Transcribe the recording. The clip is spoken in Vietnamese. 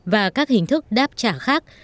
và các hình thức đáp trả khác